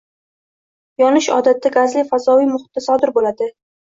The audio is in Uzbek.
Yonish odatda gazli - fazoviy muhitda sodir bo’ladi